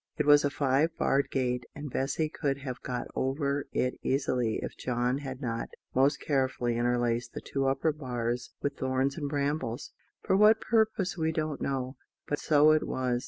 It was a five barred gate, and Bessy could have got over it easily if John had not most carefully interlaced the two upper bars with thorns and brambles for what purpose we don't know, but so it was.